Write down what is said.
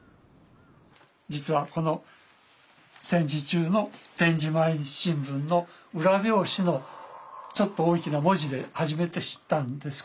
実はこの戦時中の点字毎日新聞の裏表紙のちょっと大きな文字で初めて知ったんですけども。